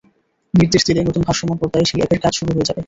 নির্দেশ দিলেই নতুন ভাসমান পর্দায় সেই অ্যাপের কাজ শুরু হয়ে যাবে।